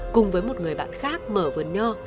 cùng với một người bạn khác mở vườn nho